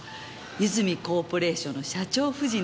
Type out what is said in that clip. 泉コーポレーションの社長夫人の幸子さん。